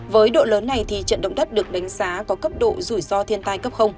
với độ lớn này trận động đất được đánh giá có cấp độ rủi ro thiên tai cấp